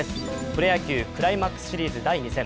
プロ野球、クライマックスシリーズ第２戦。